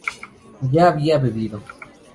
yo había bebido